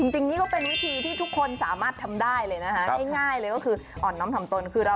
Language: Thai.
ต้องเป็นคนอ่อนน้อมถ่อมตนนะ